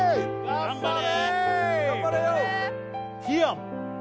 頑張れ！